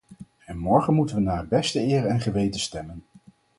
En morgen moeten we naar beste eer en geweten stemmen.